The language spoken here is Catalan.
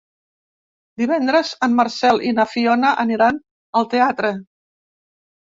Divendres en Marcel i na Fiona aniran al teatre.